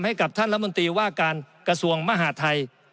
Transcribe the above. ให้กับท่านรัฐมนตรีว่าการกระทรวงมหาทัย